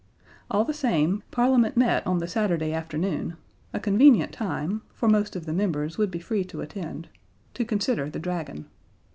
All the same, Parliament met on the Saturday afternoon, a convenient time, for most of the Members would be free to attend, to consider the Dragon.